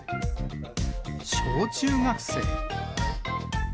小中学生。